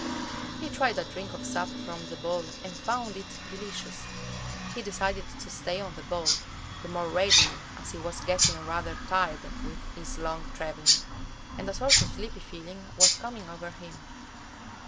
He tried a drink of sap from the ball and found it delicious. He decided to stay on the ball, the more readily as he was getting rather tired with his long traveling, and a sort of sleepy feeling was coming over him.